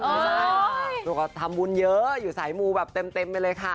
ใช่ตัวก็ทำบุญเยอะอยู่สายมูแบบเต็มไปเลยค่ะ